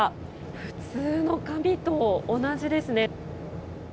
普通の紙と同じですね。